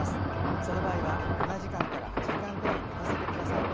その場合は７時間から８時間くらいねかせてくださいね。